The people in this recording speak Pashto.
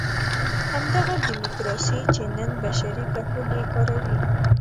همدغه ډیموکراسي چې نن بشري کهول یې کاروي.